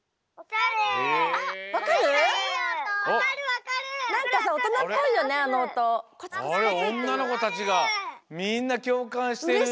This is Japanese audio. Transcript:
あれおんなのこたちがみんなきょうかんしてる。